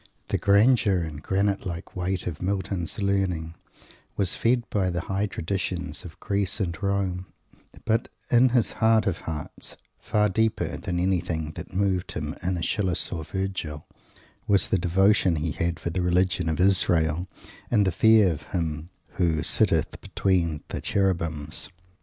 The grandeur and granite like weight of Milton's learning was fed by the high traditions of Greece and Rome; but, in his heart of hearts, far deeper than anything that moved him in Aeschylus or Virgil, was the devotion he had for the religion of Israel, and the Fear of Him who "sitteth between the Cherubims."